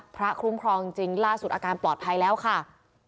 คุ้มครองจริงล่าสุดอาการปลอดภัยแล้วค่ะ